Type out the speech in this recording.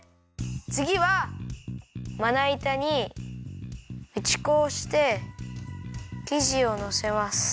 つぎはまないたにうち粉をしてきじをのせます。